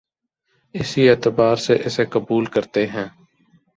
اسی اعتبار سے اسے قبول کرتے ہیں